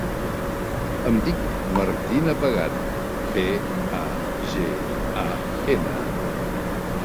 Em dic Martina Pagan: pe, a, ge, a, ena.